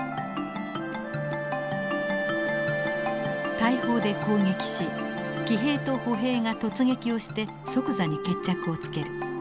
大砲で攻撃し騎兵と歩兵が突撃をして即座に決着をつける。